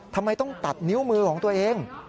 ทำไมต้องตัดนิ้วมือของตัวเอง